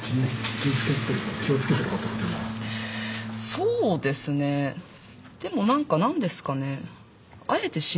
そうですねでも何か何ですかね。